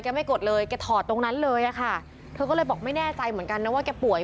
ใช่แล้วเขาไม่ได้ใส่อะไรด้วย